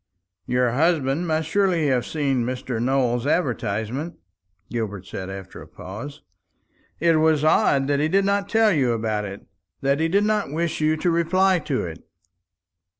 "Your husband must surely have seen Mr. Nowell's advertisement," Gilbert said after a pause. "It was odd that he did not tell you about it that he did not wish you to reply to it."